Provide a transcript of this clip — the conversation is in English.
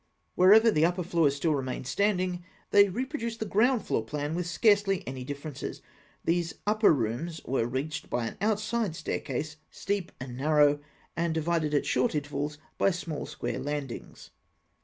Wherever the upper floors still remain standing, they reproduce the ground floor plan with scarcely any differences. These upper rooms were reached by an outside staircase, steep and narrow, and divided at short intervals by small square landings.